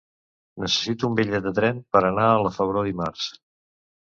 Necessito un bitllet de tren per anar a la Febró dimarts.